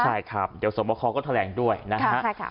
ใช่ครับเดี๋ยวสมพครองก็แถลงด้วยนะครับ